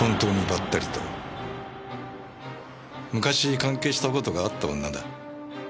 昔関係した事があった女だ。